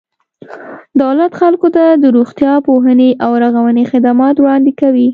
دولت خلکو ته د روغتیا، پوهنې او رغونې خدمات وړاندې کوي.